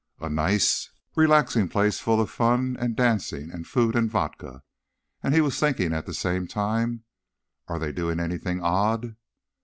A nice, relaxing place full of fun and dancing and food and vodka...." And he was thinking, at the same time: _Are they doing anything odd?